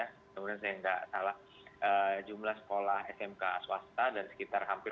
kemudian saya nggak salah jumlah sekolah smk swasta dan sekitar hampir